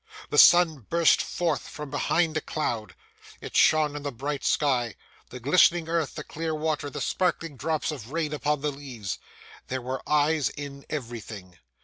The sun burst forth from behind a cloud; it shone in the bright sky, the glistening earth, the clear water, the sparkling drops of rain upon the leaves. There were eyes in everything.